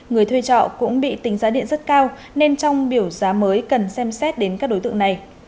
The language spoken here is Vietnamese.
người thuê trọ cũng bị tính giá điện rất cao nên trong biểu giá mới cần xem xét đến các đối tượng này